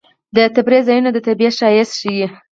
د تفریح ځایونه د طبیعت ښایست ښيي.